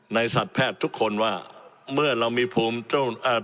สัตว์แพทย์ทุกคนว่าเมื่อเรามีภูมิเจ้าอ่า